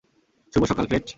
শুভ সকাল, ফ্লেচ।